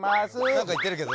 何か言ってるけど。